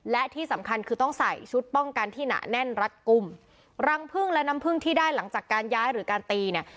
และที่สำคัญคือต้องใส่ชุดป้องกันที่หนาแน่นรัดกลุ่มรังพึ่งและน้ำพึ่งที่ได้หลังจากการย้ายหรือการตีเนี่ย